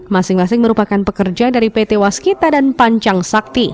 masing masing merupakan pekerja dari pt waskita dan pancang sakti